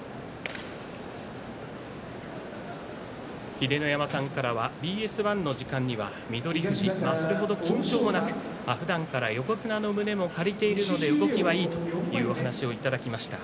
秀ノ山さんからはＢＳ１の時間に翠富士、それ程緊張はなくふだんから横綱の胸を借りているので動きはいいというお話をいただきました。